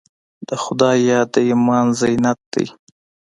د خدای یاد د ایمان زینت دی.